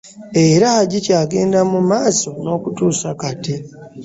Era gikyagenda mu maaso n'okutuusa Kati.